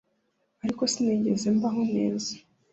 ariko sinigeze mbaho neza